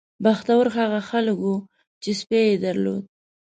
بختور هغه خلک وو چې سپی یې درلود.